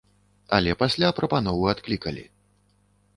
Але пасля прапанову адклікалі.